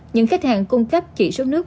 những khách hàng cung cấp chỉ số nước